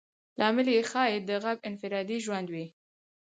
لامل یې ښایي د غرب انفرادي ژوند وي.